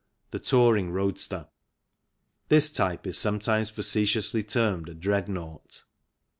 The touring roadster. This type is sometimes facetiously termed a Dreadnought.